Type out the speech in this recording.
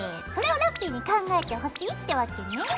それをラッピィに考えてほしいってわけね。